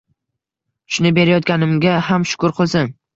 Shuni berayotganimga ham shukur qilsin